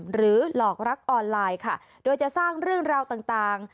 หรือหลอกรักออนไลน์ค่ะโดยจะสร้างเรื่องราวต่าง